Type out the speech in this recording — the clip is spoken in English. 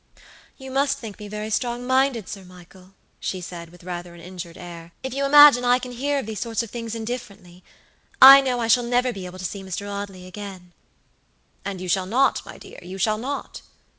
"You must think me very strong minded, Sir Michael," she said, with rather an injured air, "if you imagine I can hear of these sort of things indifferently. I know I shall never be able to see Mr. Audley again." "And you shall not, my dearyou shall not."